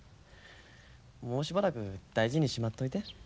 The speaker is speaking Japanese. もうしばらく大事にしまっといて。